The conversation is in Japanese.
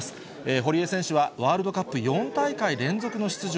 堀江選手はワールドカップ４大会連続の出場。